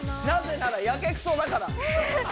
なぜならやけくそだから。